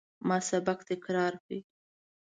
ما سبق تکرار کړ.